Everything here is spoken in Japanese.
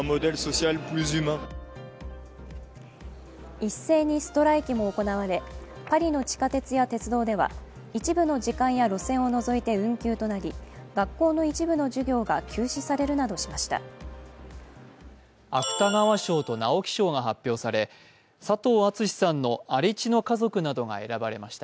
一斉にストライキも行われ、パリの地下鉄や鉄道では一部の時間や路線を除いて運休となり、学校の一部の授業が休止されるなどしました。